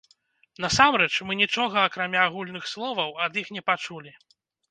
Насамрэч, мы нічога, акрамя агульных словаў, ад іх не пачулі.